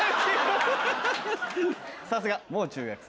さすがもう中学生。